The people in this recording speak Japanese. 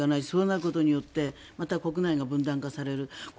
そうなることによってまた国内が分断化される。